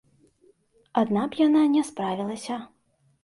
Адна б яна не справілася.